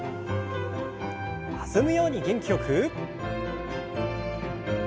弾むように元気よく。